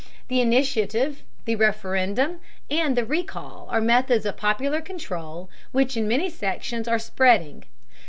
The Initiative, the Referendum and the Recall are methods of popular control which in many sections are spreading.